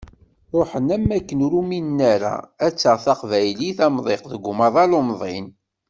Ṛuḥen am wakken ur uminen ara ad taɣ teqbaylit amdiq deg umaḍal umḍin.